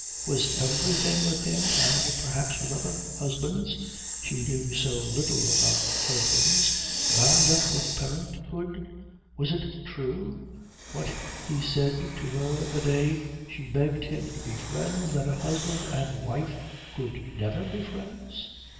Was everything with him, and perhaps with other husbands she knew so little about husbands bound up with parenthood? Was it true, what he said to her the day she begged him to be friends, that a husband and wife could never be friends?